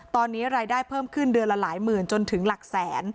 ตอนนี้รายได้เพิ่มขึ้นเดือนละหลายหมื่นจนถึงหลักแสน